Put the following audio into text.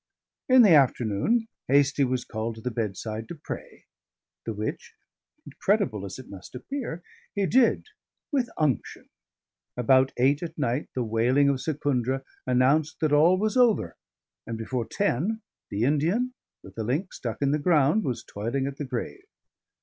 In the afternoon, Hastie was called to the bedside to pray: the which (incredible as it must appear) he did with unction; about eight at night the wailing of Secundra announced that all was over; and before ten, the Indian, with a link stuck in the ground, was toiling at the grave.